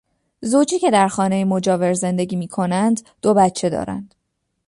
زوجی که در خانهی مجاور زندگی میکنند دو بچه دارند.